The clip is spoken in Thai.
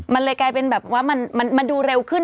มันเลยกลายเป็นแบบว่ามันดูเร็วขึ้น